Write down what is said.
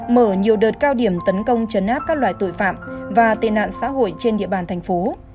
mở nhiều đợt cao điểm tấn công chấn áp các loại tội phạm và tên nạn xã hội trên địa bàn thành phố